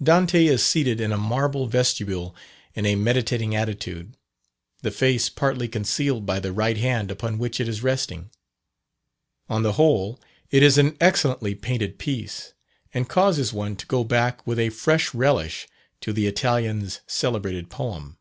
Dante is seated in a marble vestibule, in a meditating attitude, the face partly concealed by the right hand upon which it is resting. On the whole, it is an excellently painted piece, and causes one to go back with a fresh relish to the Italian's celebrated poem.